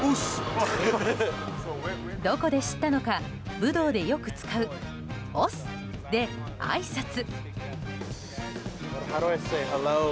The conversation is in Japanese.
どこで知ったのか武道でよく使う押忍であいさつ。